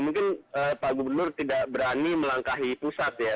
mungkin pak gubernur tidak berani melangkahi pusat ya